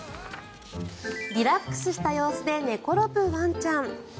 リラックスした様子で寝転ぶワンちゃん。